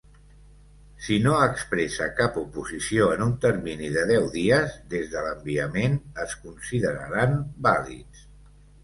Si no expressa cap oposició en un termini de deu dies des de l'enviament, es consideraran vàlids.